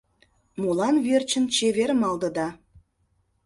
Молан верчын чевер малдыда?